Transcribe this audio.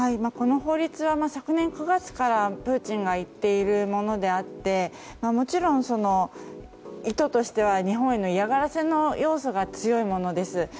この法律は昨年９月からプーチンが言っているものでもちろん、意図としては日本への嫌がらせの要素が強いものです。